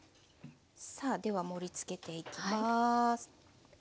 さあでは盛りつけていきます。